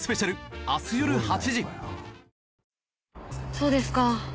そうですか。